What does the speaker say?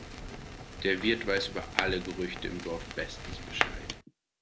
Der Wirt weiß über alle Gerüchte im Dorf bestens Bescheid.